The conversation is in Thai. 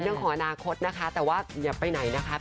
จริงมันไม่เกี่ยวกับว่านานนี้งาน